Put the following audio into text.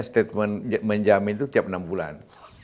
statement menjamin itu tiap enam bulan